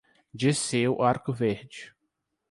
Dirceu Arcoverde